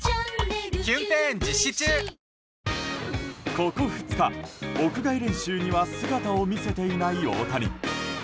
ここ２日、屋外練習には姿を見せていない大谷。